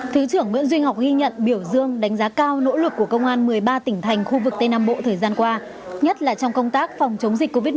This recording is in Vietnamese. thứ trưởng nguyễn duy ngọc ghi nhận biểu dương đánh giá cao nỗ lực của công an một mươi ba tỉnh thành khu vực tây nam bộ thời gian qua nhất là trong công tác phòng chống dịch covid một mươi chín